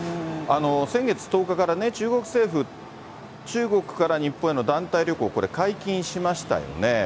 先月１０日から中国政府、中国から日本への団体旅行これ、解禁しましたよね。